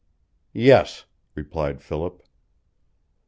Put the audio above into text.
"Yes," replied Philip.